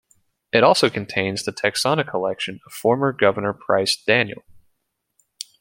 It also contains the Texana collection of former Governor Price Daniel.